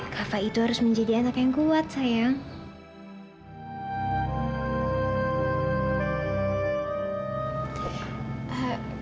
kakak itu harus menjadi anak yang kuat sayang